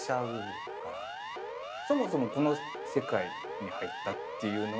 そもそもこの世界に入ったっていうのは。